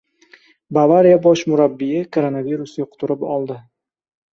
«Bavariya» bosh murabbiyi koronavirus yuqtirib oldi